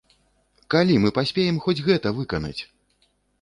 Калі мы паспеем хоць гэта выканаць!?